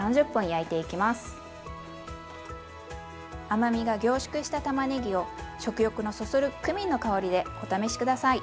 甘みが凝縮したたまねぎを食欲のそそるクミンの香りでお試し下さい！